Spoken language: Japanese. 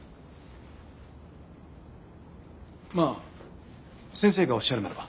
まぁ先生がおっしゃるならば。